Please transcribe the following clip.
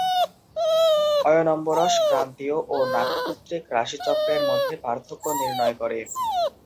অয়নম্বরশ ক্রান্তীয় ও নাক্ষত্রিক রাশিচক্রের মধ্যে পার্থক্য নির্ণয় করে।